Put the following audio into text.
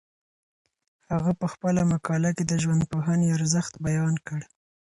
هغه په خپله مقاله کي د ژوندپوهنې ارزښت بیان کړ.